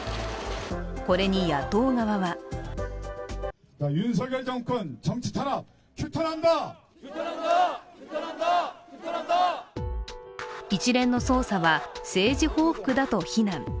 これに野党側は一連の捜査は政治報復だと非難。